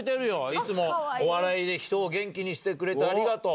いつもお笑いで人を元気にしてくれてありがとう。